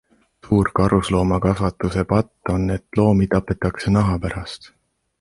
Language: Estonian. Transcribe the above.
Suur karusloomakasvatuse patt on, et loomi tapetakse naha pärast.